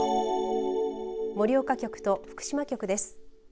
盛岡局と福島局です。